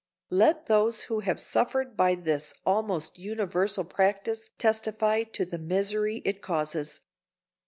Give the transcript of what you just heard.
Let those who have suffered by this almost universal practise testify to the misery it causes.